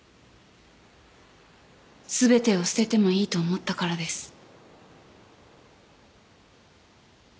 全てを捨ててもいいと思ったからです。